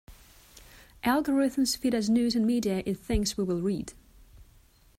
Algorithms feed us news and media it thinks we will read.